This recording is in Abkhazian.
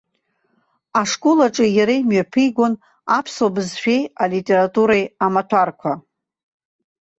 Ашкол аҿы иара имҩаԥигон аԥсуа бызшәеи алитературеи амаҭәарқәа.